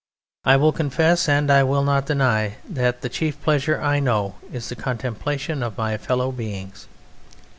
"I will confess and I will not deny that the chief pleasure I know is the contemplation of my fellow beings."